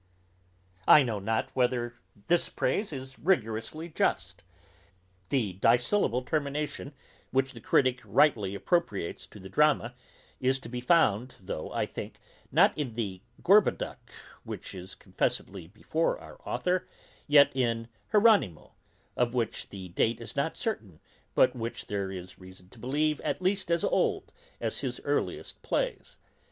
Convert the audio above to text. I know not whether this praise is rigorously just. The dissyllable termination, which the critic rightly appropriates to the drama, is to be found, though, I think, not in Gorboduc which is confessedly before our author; yet in Hieronnymo, of which the date is not certain, but which there is reason to believe at least as old as his earliest plays.